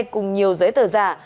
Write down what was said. cùng nhiều giấy tờ giả